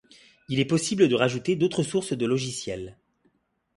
Il est possible de rajouter d'autres sources de logiciels.